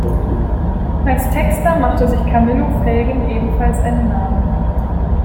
Als Texter machte sich Camillo Felgen ebenfalls einen Namen.